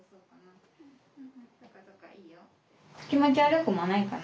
気持ち悪くもないかな？